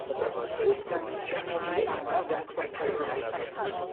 List members generally are not ranked by priority.